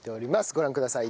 ご覧ください。